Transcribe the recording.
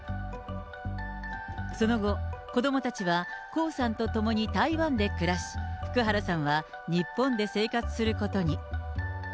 その後、子どもたちは江さんと共に台湾で暮らし、福原さんは日本で生活することに。